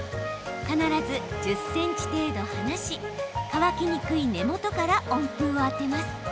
必ず１０ｃｍ程度離し乾きにくい根元から温風を当てます。